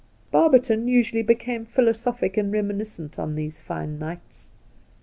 Barberton generally became philosophic and reminiscent on th^se fine nights.